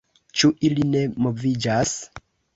Ĉu ili ne moviĝas?